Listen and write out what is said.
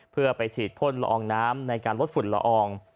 เพื่อไปฉีดพ่นละอองน้ำในการลดฝุ่นละออง